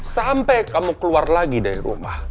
sampai kamu keluar lagi dari rumah